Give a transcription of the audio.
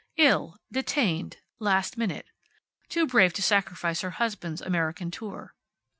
Ill. Detained. Last minute. Too brave to sacrifice her husband's American tour.